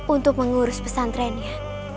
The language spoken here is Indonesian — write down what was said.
untuk mengurus pesantrennya